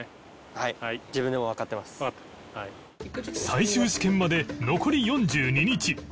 最終試験まで残り４２日